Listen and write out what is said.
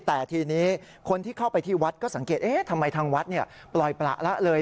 แต่ทีนี้คนที่เข้าไปที่วัดก็สังเกตทำไมทางวัดปล่อยประละเลย